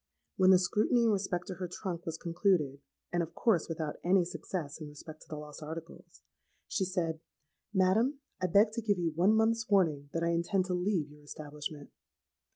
When the scrutiny in respect to her trunk was concluded,—and, of course, without any success in respect to the lost articles,—she said, 'Madam, I beg to give you one month's warning that I intend to leave your establishment.'